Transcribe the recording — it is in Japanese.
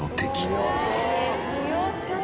強そう！